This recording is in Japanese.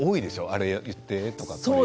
あれを言ってとか。